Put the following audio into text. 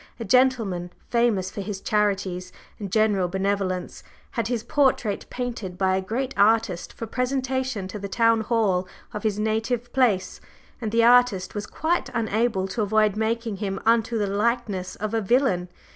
A gentleman, famous for his charities and general benevolence, had his portrait painted by a great artist for presentation to the town hall of his native place, and the artist was quite unable to avoid making him unto the likeness of a villain.